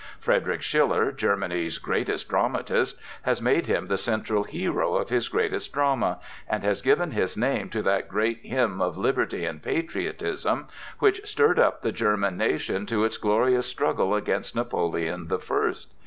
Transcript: Frederick Schiller, Germany's greatest dramatist, has made him the central hero of his greatest drama, and has given his name to that great hymn of liberty and patriotism, which stirred up the German nation to its glorious struggle against Napoleon the First.